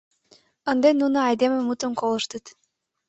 Ынде нуно айдеме мутым колыштыт.